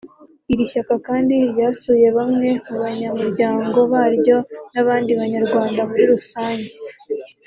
Iri shyaka kandi ryasuye bamwe mu banyamuryango baryo n’abandi banyarwanda muri rusange